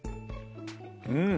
うん！